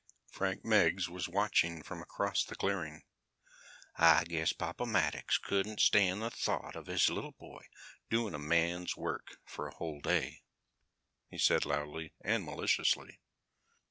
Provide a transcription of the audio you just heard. Frank Meggs was watching from across the clearing. "I guess Papa Maddox couldn't stand the thought of his little boy doing a man's work for a whole day," he said loudly and maliciously.